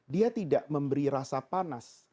dia tidak memberi rasa panas